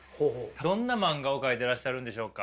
どんな漫画を描いてらっしゃるんでしょうか。